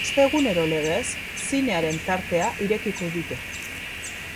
Ostegunero legez, zinearen tartea irekiko dute.